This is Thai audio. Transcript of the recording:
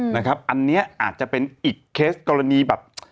นะครับอันนี้อาจจะเป็นอีกเคสกรณีแบบ